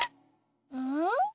うん？